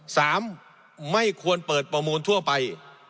สามไม่ควรเปิดประมูลทั่วไป